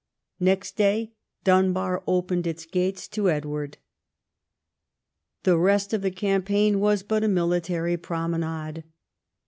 Next day Dunbar opened its gates to Edward. The rest of the campaign was but a military promenade.